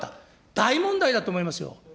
大問題だと思いますよ。